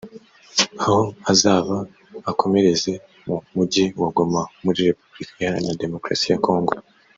aho azava akomereza mu mujyi wa Goma muri Repubulika Iharanira Demokarasi ya Congo